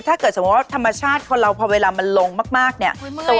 สมมุติว่าธรรมชาติคนเราพอเวลามันลงมากเนี่ย